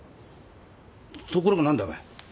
ところが何だお前？